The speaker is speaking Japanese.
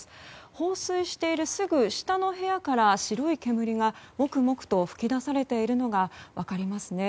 放水しているすぐ下の部屋から白い煙がもくもくと噴き出されているのが分かりますね。